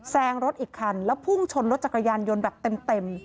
งรถอีกคันแล้วพุ่งชนรถจักรยานยนต์แบบเต็ม